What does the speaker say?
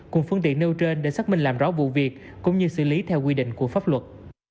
cùng phương tiện nêu trên để xác minh làm rõ vụ việc cũng như xử lý theo quy định của pháp luật